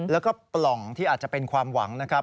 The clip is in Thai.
แล้วก็ปล่องที่อาจจะเป็นความหวังนะครับ